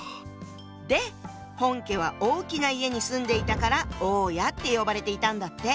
で本家は大きな家に住んでいたから「大家」って呼ばれていたんだって。